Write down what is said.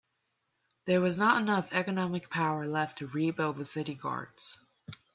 There was not enough economic power left to rebuild the city guards.